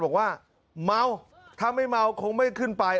บอกว่าเมาถ้าไม่เมาคงไม่ขึ้นไป